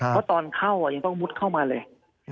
เพราะตอนเข้ายังต้องมุดเข้ามาเลย